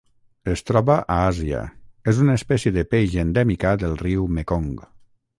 Es troba a Àsia: és una espècie de peix endèmica del riu Mekong.